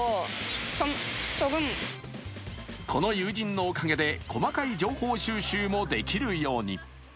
この友人のおかげで細かい情報収集もできるように。